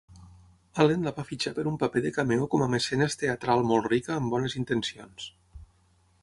Allen la va fitxar per un paper de cameo com a mecenes teatral molt rica amb bones intencions.